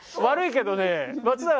悪いけどね。